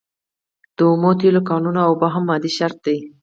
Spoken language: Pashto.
د اومو تیلو کانونه او اوبه هم مادي شرایط دي.